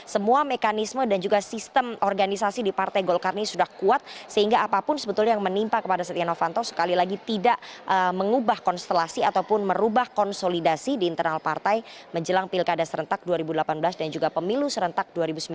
semua mekanisme dan juga sistem organisasi di partai golkar ini sudah kuat sehingga apapun sebetulnya yang menimpa kepada setia novanto sekali lagi tidak mengubah konstelasi ataupun merubah konsolidasi di internal partai menjelang pilkada serentak dua ribu delapan belas dan juga pemilu serentak dua ribu sembilan belas